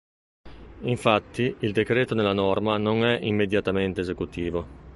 Infatti il decreto nella norma non è "immediatamente esecutivo".